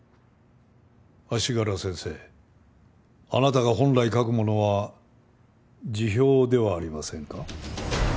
足柄先生あなたが本来書くものは辞表ではありませんか？